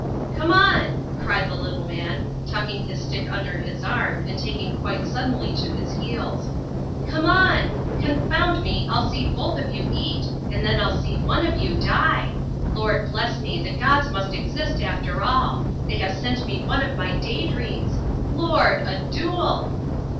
"Come on!" cried the little man, tucking his stick under his arm and taking quite suddenly to his heels. "Come on! Confound me, I'll see both of you eat and then I'll see one of you die. Lord bless me, the gods must exist after all they have sent me one of my day dreams! Lord! A duel!"